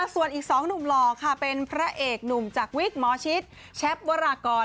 ส่วนอีก๒หนุ่มหล่อค่ะเป็นพระเอกหนุ่มจากวิกหมอชิตแชปวรากร